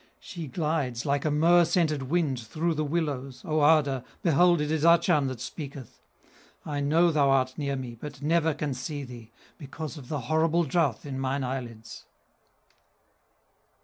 "She glides, like a myrrh scented wind, through the willows, O Ada! behold it is Achan that speaketh: I know thou art near me, but never can see thee, Because of the horrible drouth in mine eyelids."